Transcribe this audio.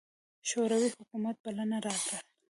شوروي حکومت بلنه راکړه.